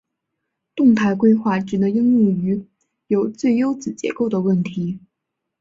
动态规划只能应用于有最优子结构的问题。